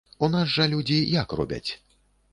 У нас жа людзі як робяць?